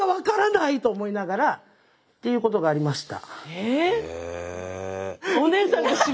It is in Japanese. っていうことがありました。